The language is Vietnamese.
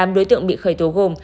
tám đối tượng bị khởi tố gồm